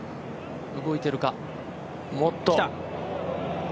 動いているか、きた。